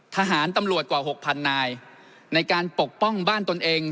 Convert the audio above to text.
ทหารตำรวจกว่า๖๐๐๐นายในการปกป้องบ้านตนเอง